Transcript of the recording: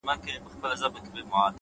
هوښیار انسان له تېروتنو زده کوي’